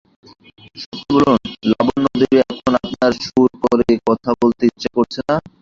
সত্যি বলুন লাবণ্যদেবী, এখনই আপনার সুর করে কথা বলতে ইচ্ছে করছে না?